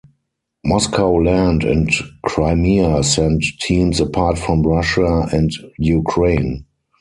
Moscow Land and Crimea send teams apart from Russia and Ukraine.